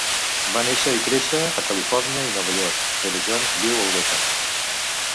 Va néixer i créixer a Califòrnia i Nova York, però Jones viu a Europa.